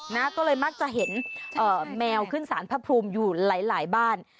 นะก็เลยมักจะเห็นแมวขึ้นสารพระภูมิอยู่หลายบ้าน